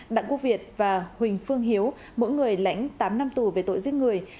đặng quốc việt và huỳnh phương hiếu mỗi người lãnh tám năm tù về tội giết người